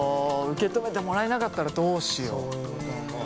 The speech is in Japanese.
受け止めてもらえなかったらどうしよう。